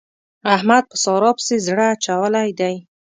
احمد په سارا پسې زړه اچولی دی.